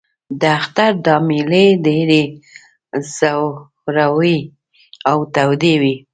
د اختر دا مېلې ډېرې زورورې او تودې وې.